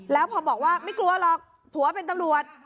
แล้วพอบอกว่าไม่กลัวหรอกผัวเป็นตำรวจ